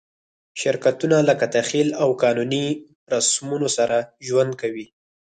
شرکتونه له تخیل او قانوني رسمونو سره ژوند کوي.